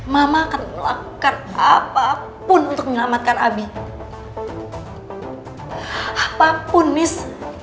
mama akan melakukan apapun untuk menyelamatkan abi apapun mis